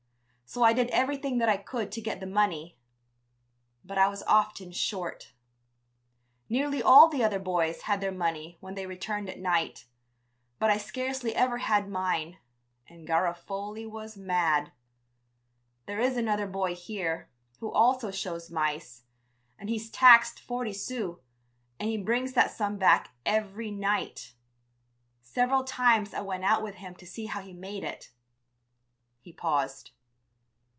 So I did everything that I could to get the money, but I was often short. Nearly all the other boys had their money when they returned at night, but I scarcely ever had mine and Garofoli was mad! There is another boy here, who also shows mice, and he's taxed forty sous, and he brings that sum back every night. Several times I went out with him to see how he made it...." He paused.